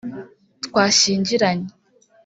twashyingiranye